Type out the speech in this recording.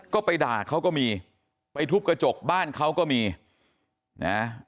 ก็ไปด่าเขาก็มีไปทุบกระจกบ้านเขาก็มีนะ